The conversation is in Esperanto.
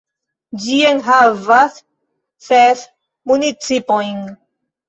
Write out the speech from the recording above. Ĝi enhavas ses municipojn.